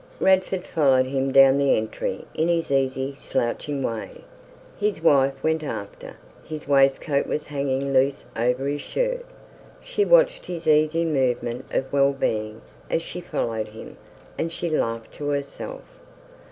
Radford followed him down the entry, in his easy, slouching way. His wife went after. His waistcoat was hanging loose over his shirt. She watched his easy movement of well being as she followed him, and she laughed to herself.